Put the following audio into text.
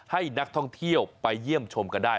ให้นักท่องเที่ยวไปเยี่ยมชมกันได้